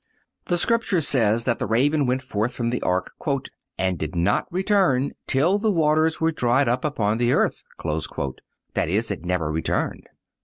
The Scripture says that the raven went forth from the ark, "and did not return till the waters were dried up upon the earth"(225)—that is, it never returned.